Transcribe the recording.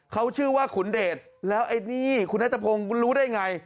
เขาชื่อว่าขุนเดชแล้วไอ้นี่คุณนัทพงศ์คุณรู้ได้ไง